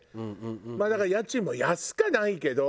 まあだから家賃も安くはないけど。